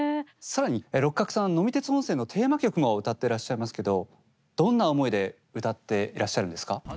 更に六角さん「呑み鉄本線」のテーマ曲も歌ってらっしゃいますけどどんな思いで歌っていらっしゃるんですか？